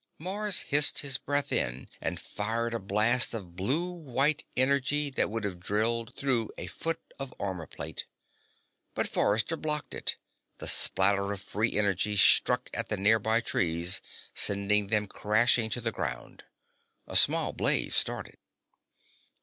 Mars hissed his breath in and fired a blast of blue white energy that would have drilled through a foot of armor plate. But Forrester blocked it; the splatter of free energy struck at the nearby trees, sending them crashing to the ground. A small blaze started.